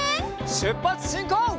しゅっぱつしんこう！